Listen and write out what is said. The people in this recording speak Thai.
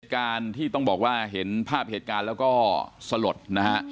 การที่ต้องบอกว่าเห็นภาพเหตุการณ์แล้วก็สลดนะฮะ